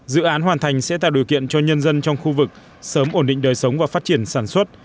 dự án hoàn thành sẽ tạo điều kiện cho nhân dân trong khu vực sớm ổn định đời sống và phát triển sản xuất